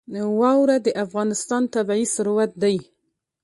واوره د افغانستان طبعي ثروت دی.